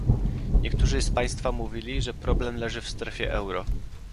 Niektórzy z Państwa mówili, że problem leży w strefie euro